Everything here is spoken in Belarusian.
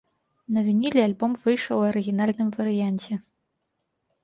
На вініле альбом выйшаў у арыгінальным варыянце.